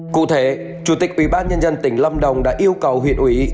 cụ thể chủ tịch ủy ban nhân dân tỉnh lâm đồng đã yêu cầu huyện ủy